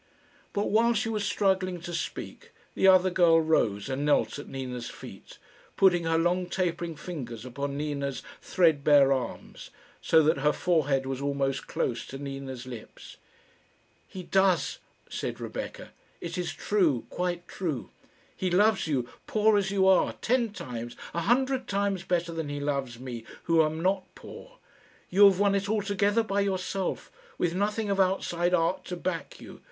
But while she was struggling to speak, the other girl rose and knelt at Nina's feet, putting her long tapering fingers upon Nina's thread bare arms, so that her forehead was almost close to Nina's lips. "He does," said Rebecca. "It is true quite true. He loves you, poor as you are, ten times a hundred times better than he loves me, who am not poor. You have won it altogether by yourself, with nothing of outside art to back you.